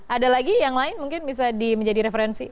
ada lagi yang lain mungkin bisa menjadi referensi